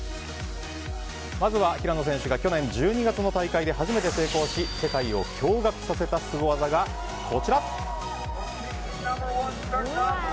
まずは平野選手が去年１２月の大会で初めて成功し世界を驚愕させたスゴ技がこちら。